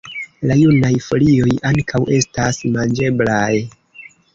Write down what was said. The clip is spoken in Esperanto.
La junaj folioj ankaŭ estas manĝeblaj.